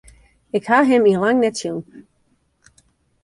Ik haw him yn lang net sjoen.